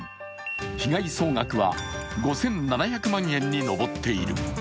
被害総額は５７００万円に上っている。